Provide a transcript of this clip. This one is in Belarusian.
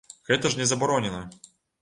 Гэта ж не забаронена.